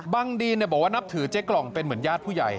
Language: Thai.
ดีนบอกว่านับถือเจ๊กล่องเป็นเหมือนญาติผู้ใหญ่